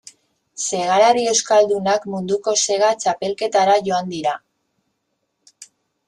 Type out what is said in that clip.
Segalari euskaldunak munduko sega txapelketara joan dira.